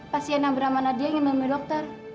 pasti enam beramah nadia ingin memiliki dokter